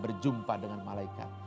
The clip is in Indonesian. berjumpa dengan malaikat